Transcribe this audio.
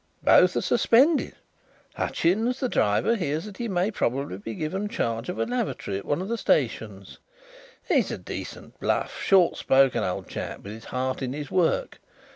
"Both are suspended. Hutchins, the driver, hears that he may probably be given charge of a lavatory at one of the stations. He is a decent, bluff, short spoken old chap, with his heart in his work.